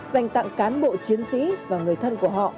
dành tặng cán bộ chiến sĩ và người thân của họ